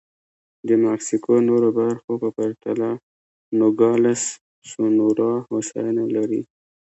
د مکسیکو نورو برخو په پرتله نوګالس سونورا هوساینه لري.